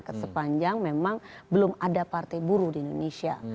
kesepanjang memang belum ada partai buruh di indonesia